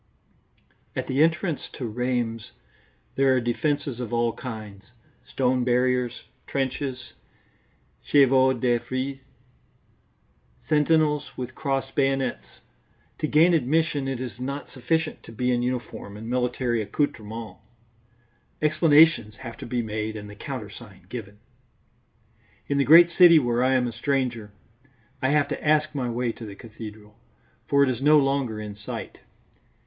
At the entrance to Rheims there are defences of all kinds: stone barriers, trenches, chevaux de frise, sentinels with crossed bayonets. To gain admission it is not sufficient to be in uniform and military accoutrements; explanations have to be made and the countersign given. In the great city where I am a stranger, I have to ask my way to the cathedral, for it is no longer in sight.